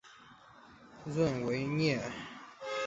瑞维涅。